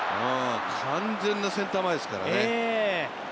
完全なセンター前ですからね。